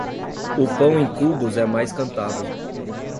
O pão em cubos é mais cantado.